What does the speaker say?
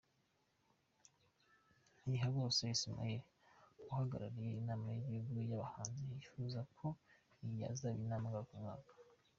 Ntihabose Ismael uhagarariye Inama y'igihugu y'abahanzi yifuza ko iyi yazaba inama ngarukamwaka.